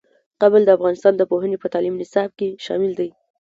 کابل د افغانستان د پوهنې په تعلیمي نصاب کې شامل دی.